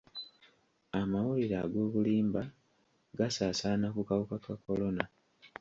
Amawulire ag'obulimba gasaasaana ku kawuka ka kolona.